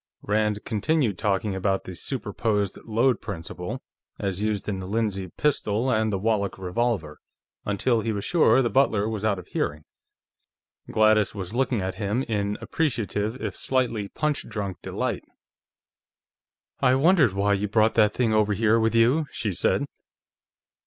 Rand continued talking about the superposed load principle, as used in the Lindsay pistol and the Walch revolver, until he was sure the butler was out of hearing. Gladys was looking at him in appreciative if slightly punch drunk delight. "I wondered why you brought that thing over here with you," she said.